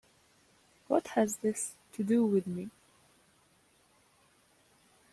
What has this to do with me?